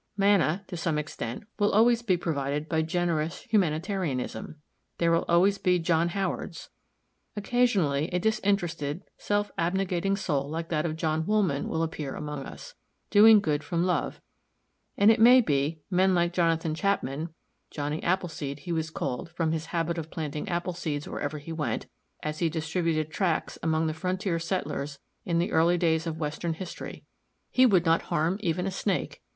"Manna," to some extent, will always be provided by generous humanitarianism. There will always be John Howards. Occasionally a disinterested, self abnegating soul like that of John Woolman will appear among us doing good from love; and, it may be, men like Jonathan Chapman Johnny Appleseed, he was called from his habit of planting apple seeds whereever he went, as he distributed tracts among the frontier settlers in the early days of western history. He would not harm even a Snake.